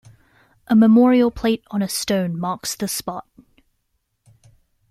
A memorial plate on a stone marks the spot.